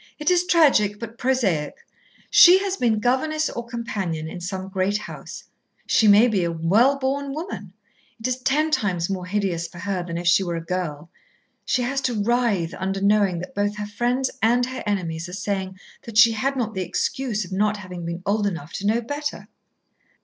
It is tragic, but prosaic. She has been governess or companion in some great house. She may be a well born woman. It is ten times more hideous for her than if she were a girl. She has to writhe under knowing that both her friends and her enemies are saying that she had not the excuse of not having been old enough to know better."